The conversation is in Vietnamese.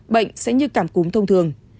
bệnh sẽ như cảm cúm thông thường